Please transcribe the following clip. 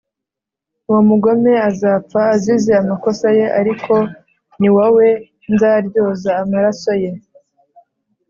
uwo mugome azapfa azize amakosa ye, ariko ni wowe nzaryoza amaraso ye.